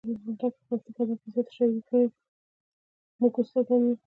پښتانه ځوانان بايد له پښتنو نجونو سره واده وکړي.